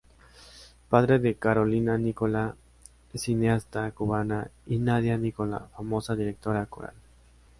Padre de Carolina Nicola, cineasta cubana, y Nadia Nicola, famosa directora coral.